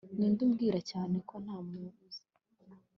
Ninde umbwira cyane ko ntamuzi